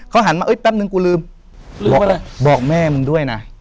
เขาหันมาเอ้ยแป๊บนึงกูลืมบอกแม่มึงด้วยนะ